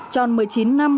tròn một mươi chín năm